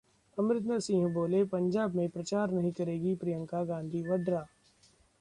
अमरिंदर सिंह बोले- पंजाब में प्रचार नहीं करेंगी प्रियंका गांधी वाड्रा